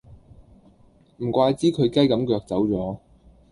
唔怪之佢雞咁腳走左